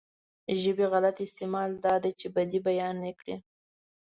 ژبې غلط استعمال دا دی چې بدۍ بيانې کړي.